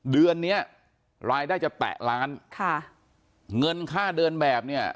เดือนเนี้ยรายได้จะแตะล้านค่ะเงินค่าเดินแบบเนี่ย